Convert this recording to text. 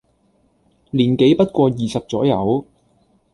年紀不過二十左右，